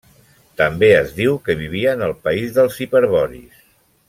També es diu que vivien al país dels hiperboris.